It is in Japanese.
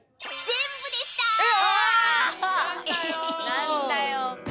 何だよ！